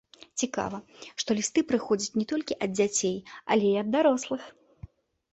Цікава, што лісты прыходзяць не толькі ад дзяцей, але і ад дарослых!